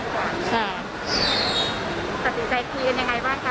ก็เลยจังหวัดบ้านดีกว่า